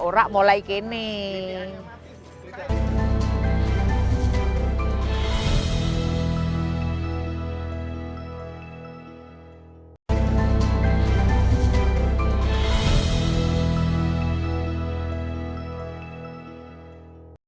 orang mulai seperti ini